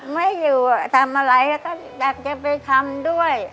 ไม่อยู่ทำอะไรก็แบบจะไปทำด้วย